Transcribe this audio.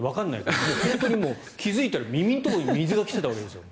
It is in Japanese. もう本当に、気付いたら耳のところに水が来てたんですよ。